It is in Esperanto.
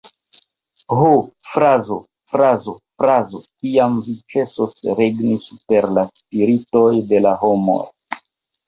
Ho, frazo, frazo, frazo, kiam vi ĉesos regni super la spiritoj de la homoj!